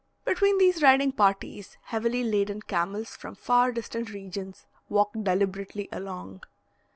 Between these riding parties, heavily laden camels from far distant regions walk deliberately along.